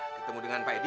ketemu dengan pak edi